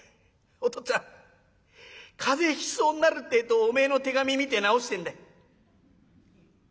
お父っつぁん風邪ひきそうになるってえとおめえの手紙見て治してんだ。